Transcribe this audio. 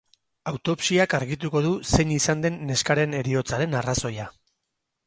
Autopsiak argituko du zein izan den neskaren heriotzaren arrazoia.